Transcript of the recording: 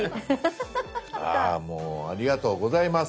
あもうありがとうございます。